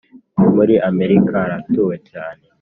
muri america haratuwe cyane